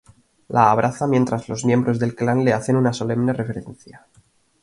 La abraza mientras los miembros del clan le hacen una solemne reverencia.